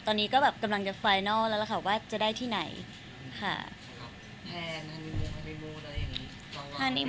ตอนนี้ก็แบบกำลังจะแล้วแหละค่ะว่าจะได้ที่ไหนค่ะครับแทนแล้วอย่างงี้